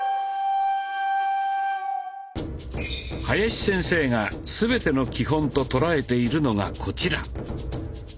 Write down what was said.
林先生が全ての基本と捉えているのがこちら。